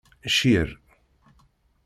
Cir.